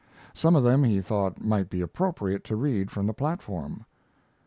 Some of them he thought might be appropriate to read from the platform.